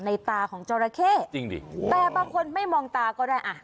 ในตาของเจ้าระเข้แต่บางคนไม่มองตาก็ได้